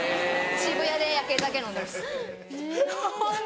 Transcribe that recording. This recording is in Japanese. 渋谷でやけ酒飲んでます。